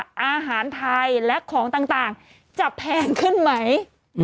ละหรือว่าอาหารไทยและของต่างจะแพงขึ้นไหม